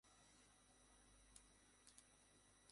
তিনি তা সমধিক জানেন।